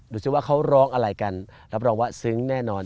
ดูสิว่าเขาร้องอะไรกันรับรองว่าซึ้งแน่นอน